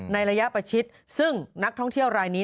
ในระยะประชิดซึ่งนักท่องเที่ยวรายนี้